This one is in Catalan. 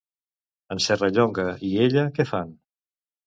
En Serrallonga i ella què fan?